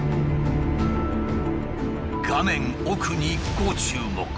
画面奥にご注目。